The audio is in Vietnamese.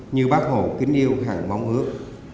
như bác hồ kính yêu hàng mong ước